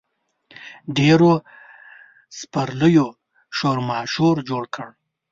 ډېرو سپرلیو شورماشور جوړ کړ.